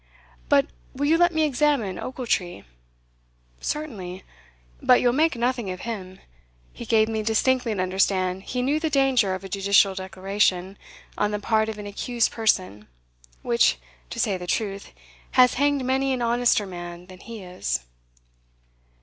But will you let me examine Ochiltree?" "Certainly; but you'll make nothing of him. He gave me distinctly to understand he knew the danger of a judicial declaration on the part of an accused person, which, to say the truth, has hanged many an honester man than he is."